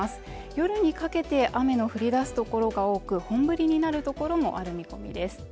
夜にかけて雨の降りだす所が多く本降りになる所もある見込みです